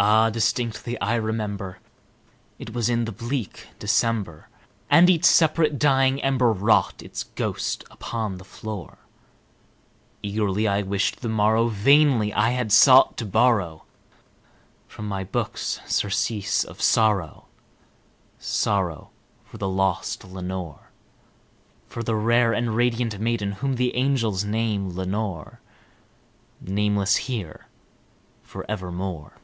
Ah, distinctly I remember it was in the bleak December, And each separate dying ember wrought its ghost upon the floor. Eagerly I wished the morrow: vainly I had sought to borrow From my books surcease of sorrow sorrow for the lost Lenore For the rare and radiant maiden whom the angels name Lenore Nameless here for evermore.